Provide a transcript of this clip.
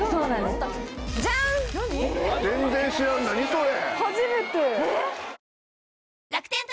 全然知らん何それ！